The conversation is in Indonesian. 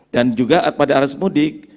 dan juga pada arus mudik